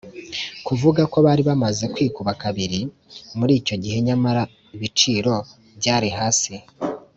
kuvuga ko bari bamaze kwikuba kabiri. muri icyo gihe nyamara ibiciro byari hasi